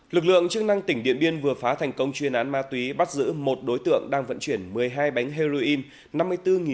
lực lượng chức năng tỉnh điện biên vừa phá thành công chuyên án ma túy bắt giữ một đối tượng đang vận chuyển một mươi hai bánh heroin